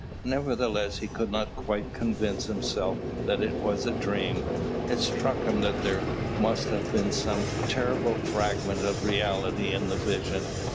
Nevertheless, he could not quite convince himself that it was a dream. It struck him that there must have been some terrible fragment of reality in the vision.